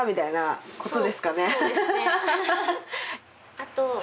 あと。